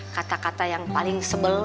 kata kata yang paling sebel